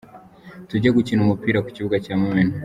Tujye gukina umupira ku kibuga cya mumena.